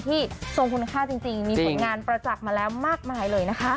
ทรงคุณค่าจริงมีผลงานประจักษ์มาแล้วมากมายเลยนะคะ